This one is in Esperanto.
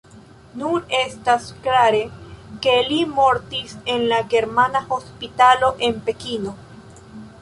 Nur estas klare, ke li mortis en la Germana Hospitalo en Pekino.